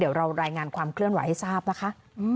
เดี๋ยวเรารายงานความเคลื่อนไหวให้ทราบนะคะ